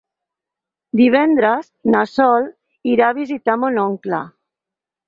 Divendres na Sol irà a visitar mon oncle.